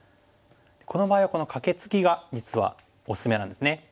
この場合はこのカケツギが実はおすすめなんですね。